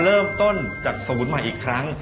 เฮงกับข้าดดีกว่า